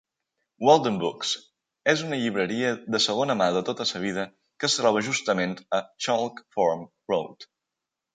Walden Books és una llibreria de segona mà de tota la vida que es troba justament a Chalk Farm Road.